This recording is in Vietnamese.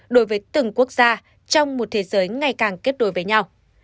đối với từng quốc gia trong một thế giới ngày càng kết nối với nhau